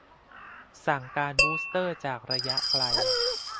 สั่งการบูสเตอร์จากระยะไกล